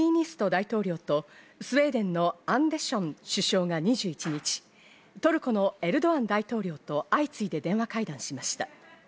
大統領と、スウェーデンのアンデション首相が２１日、トルコのエルドアン大統領と相次いで電話会談しました。